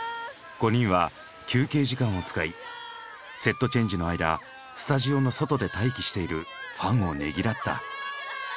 ５人は休憩時間を使いセットチェンジの間スタジオの外で待機しているファンをねぎらった。